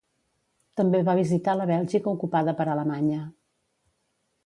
També va visitar la Bèlgica ocupada per Alemanya.